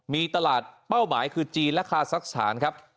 มีตลาดเป้าหมายคือจีนและคาซักสถานครับ